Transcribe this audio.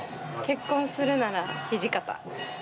結婚するなら土方。